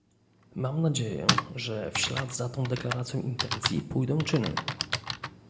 Mam nadzieję, że w ślad za tą deklaracją intencji pójdą czyny